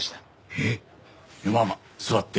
えっ！まあまあ座って。